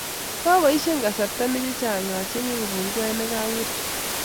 Kabaishe kasarta chechang achenge kibunguet nekawirte